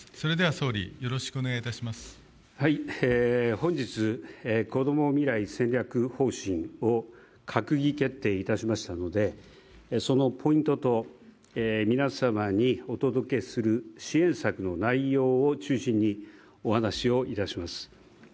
本日、こども未来戦略方針を閣議決定いたしましたのでそのポイントと、皆様にお届けする支援策の内容を中心にお話をいたします。